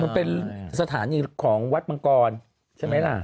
มันเป็นสถานีของวัดมังกรใช่ไหมล่ะ